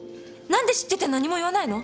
何で知ってて何も言わないの！？